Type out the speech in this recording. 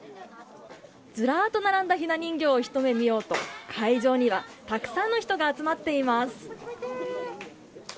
ずらっと並んだひな人形をひと目見ようと会場にはたくさんの人が集まっています。